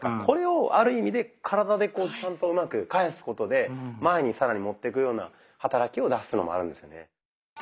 これをある意味で体でこうちゃんとうまく返すことで前に更に持ってくような働きを出すのもあるんですよね。